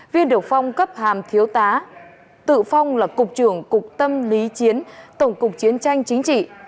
viên điều phong cấp hàm thiếu tá tự phong là cục trưởng cục tâm lý chiến tổng cục chiến tranh chính trị